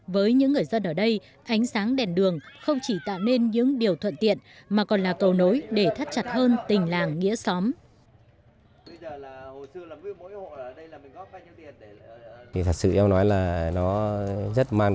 với những người dân ở đây ánh sáng đèn đường không chỉ tạo nên những điều thuận tiện mà còn là cầu nối để thắt chặt hơn tình làng nghĩa xóm